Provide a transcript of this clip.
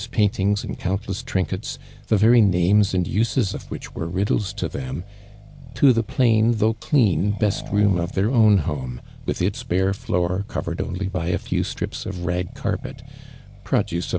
paintings and countless trinkets, the very names and use: of wliich were riddles to tliem, to tlie plain, though clean, ' best room" of their own home, with its bare floor, covereil only by a few strips of rag carjiet (produce of